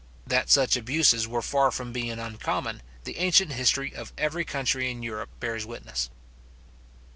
That such abuses were far from being uncommon, the ancient history of every country in Europe bears witness.